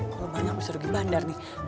kalau banyak bisa lebih bandar nih